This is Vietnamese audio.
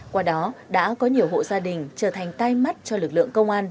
qua đó đã có nhiều hộ gia đình trở thành tai mắt cho lực lượng công an